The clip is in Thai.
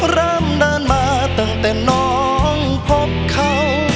เริ่มเดินมาตั้งแต่น้องพบเขา